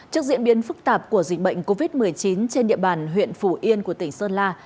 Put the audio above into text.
trước diễn biến phức tạp của dịch bệnh covid một mươi chín trên địa bàn huyện phủ yên của tỉnh sơn la